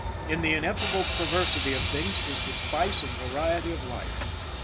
In the ineffable perversity of things is the spice and variety of life.